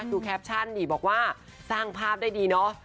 แคปชั่นนี่บอกว่าสร้างภาพได้ดีเนาะ